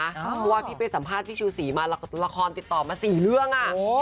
เพราะว่าพี่ไปสัมภาษณ์พี่ชูศรีมาละครติดต่อมา๔เรื่อง